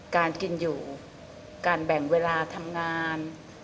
การกินอยู่การแบ่งเวลาทำงาน